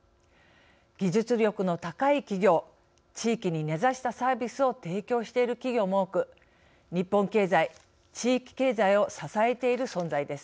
技術力の高い企業地域に根ざしたサービスを提供している企業も多く日本経済地域経済を支えている存在です。